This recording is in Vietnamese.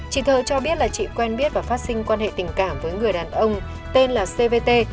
chị thơ cho biết là chị quen biết và phát sinh quan hệ tình cảm với người đàn ông tên là cvt